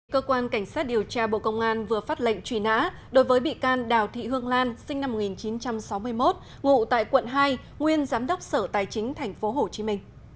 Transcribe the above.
cơ quan cảnh sát điều tra bộ công an vừa phát lệnh truy nã đối với bị can đào thị hương lan sinh năm một nghìn chín trăm sáu mươi một ngụ tại quận hai nguyên giám đốc sở tài chính tp hcm